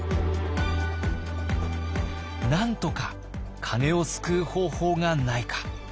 なんとか鐘を救う方法がないか。